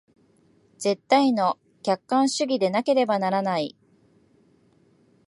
絶対の客観主義でなければならない。